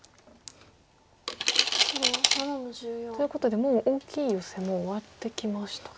黒７の十四。ということでもう大きいヨセも終わってきましたか。